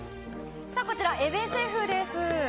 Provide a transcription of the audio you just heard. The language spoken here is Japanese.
こちら、江部シェフです。